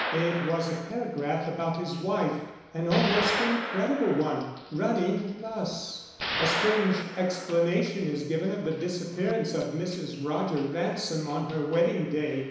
It was a paragraph about his wife, an almost incredible one, running thus: A strange explanation is given of the disappearance of Mrs. Roger Ransom on her wedding day.